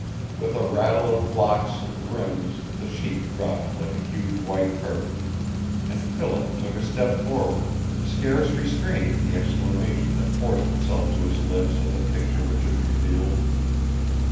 With a rattle of blocks and rings the sheet dropped like a huge white curtain, and Philip took a step forward, scarce restraining the exclamation that forced itself to his lips at the picture which it revealed.